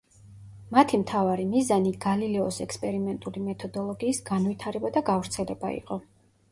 მათი მთავარი მიზანი გალილეოს ექსპერიმენტული მეთოდოლოგიის განვითარება და გავრცელება იყო.